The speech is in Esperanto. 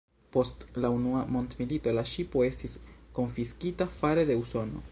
Post la Dua Mondmilito la ŝipo estis konfiskita fare de Usono.